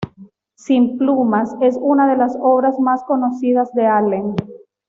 Sin Plumas es una de las obras más conocidas de Allen.